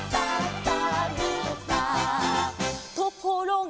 「ところが」